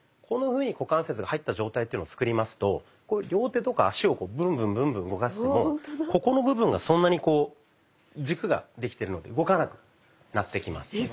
こんなふうに股関節が入った状態っていうのを作りますと両手とか脚をブンブンブンブン動かしてもここの部分がそんなにこう軸ができてるので動かなくなってきます。